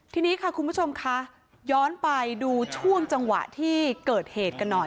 ทีนี้ค่ะคุณผู้ชมค่ะย้อนไปดูช่วงจังหวะที่เกิดเหตุกันหน่อย